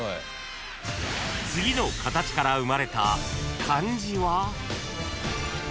［次の形から生まれた漢字は？］